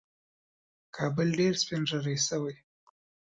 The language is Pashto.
کابل ډېر سپین ږیری شوی